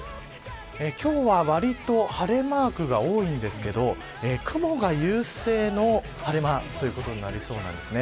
今日はわりと晴れマークが多いんですけど雲が優勢の晴れマークということになりそうなんです。